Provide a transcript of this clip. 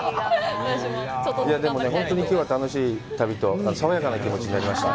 でも、本当にきょうは楽しい旅と爽やかな気持ちになりました。